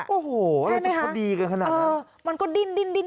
โอ้โหจะพอดีกันขนาดนั้น